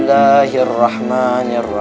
bahkan telah berbeza